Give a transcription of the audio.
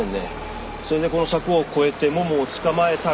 それでこの柵を越えてモモを捕まえたが。